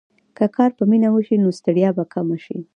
که کار په مینه وشي، نو ستړیا به کمه شي.